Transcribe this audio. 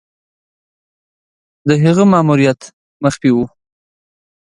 د هغه ماموریت مخفي وو.